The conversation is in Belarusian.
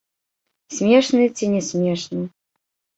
Смешны, ці не смешны.